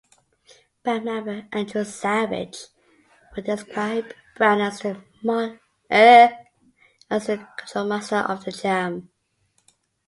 Band member Andrew Savage would describe Brown as "the control master of the jam".